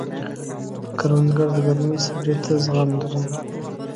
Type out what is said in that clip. کروندګر د ګرمۍ سړې ته زغم لري